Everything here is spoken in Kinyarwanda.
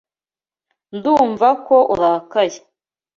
Ndumva ko urakaye.